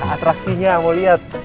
atraksinya mau lihat